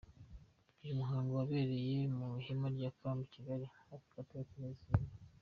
Uyu muhango wabereye mu ihema rya Camp Kigali hafi gato ya Kigali Serena.